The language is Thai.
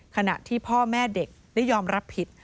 ขณะที่พ่อแม่เด็กได้ยอมรับผิด